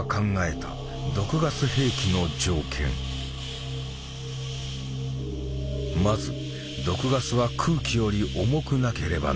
まず毒ガスは空気より重くなければならない。